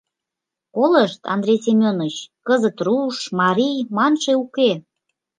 Колышт, Андрей Семёныч, кызыт «руш», «марий» манше уке.